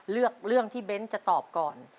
เลือกเรื่องที่เบ้นจะตอบก่อน